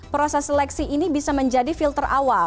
proses seleksi ini bisa menjadi fitur